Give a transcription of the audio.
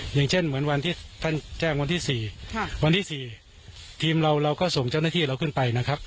อย่างเช่นเหมือนวันที่ท่านแจ้งวันที่๔วันที่๔ทีมเราเราก็ส่งเจ้าหน้าที่เราขึ้นไปนะครับ